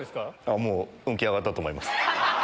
もう運気上がったと思います。